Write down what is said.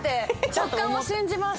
直感を信じます。